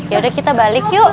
yaudah kita balik yuk